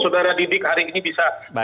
saudara didik hari ini bisa